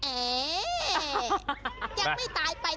แกล้งไม่ตายไป